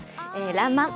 「らんまん」